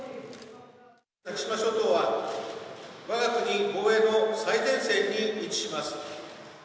先島諸島はわが国防衛の最前線に位置します。